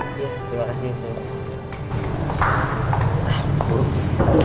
oke kalau begitu saya permisi pak